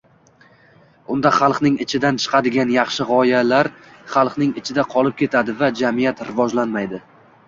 unda xalqning ichidan chiqadigan yaxshi g‘oyalar xalqning ichida qolib ketadi va jamiyat rivojlanmaydi.